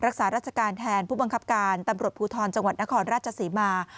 รักษาราชการแทนผู้บังคับการตำรวจภูทรจังหวัดนครราชศรีมา